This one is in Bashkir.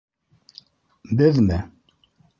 — Беҙме?